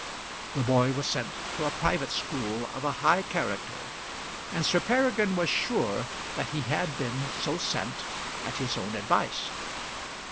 The boy was sent to a private school of a high character, and Sir Peregrine was sure that he had been so sent at his own advice.